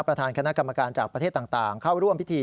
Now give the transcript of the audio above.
ประธานคณะกรรมการจากประเทศต่างเข้าร่วมพิธี